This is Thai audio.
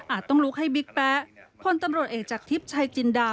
ต้องลุกให้บิ๊กแป๊ะพลตำรวจเอกจากทิพย์ชัยจินดา